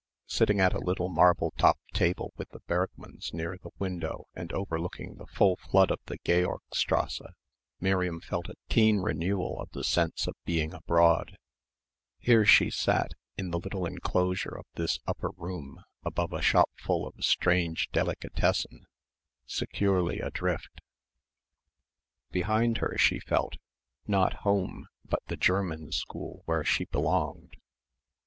Sitting at a little marble topped table with the Bergmanns near the window and overlooking the full flood of the Georgstrasse Miriam felt a keen renewal of the sense of being abroad. Here she sat, in the little enclosure of this upper room above a shopful of strange Delikatessen, securely adrift. Behind her she felt, not home but the German school where she belonged.